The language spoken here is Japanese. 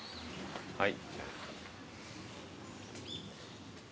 はい。